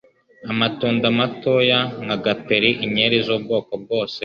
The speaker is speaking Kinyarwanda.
Amatunda matoya nka gaperi, inkeri z’ubwoko bwose,